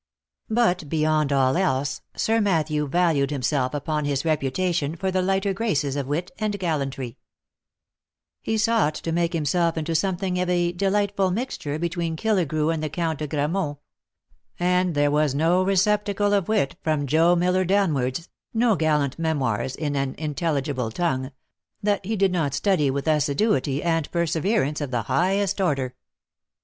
But beyond all else, Sir Matthew valued himself upon his reputation for the lighter graces of wit and gallantry : he sought to make himself into something of a delightful mixture between Kiiligrew and the Count de Gra mont ; and there was no receptacle of wit from Joe Miller downwards, no gallant memoirs in an intelligible tongue, that he did not study with assiduity and perseverance of the highest order.